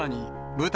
、舞台、